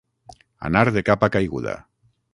Anar de capa caiguda.